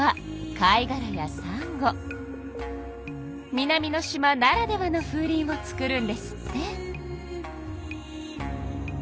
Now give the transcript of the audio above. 南の島ならではのふうりんを作るんですって。